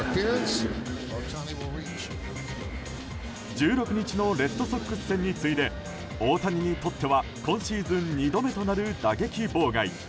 １６日のレッドソックス戦に次いで大谷にとっては、今シーズン２度目となる打撃妨害。